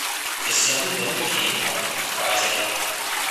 The sum then became part of the prize account.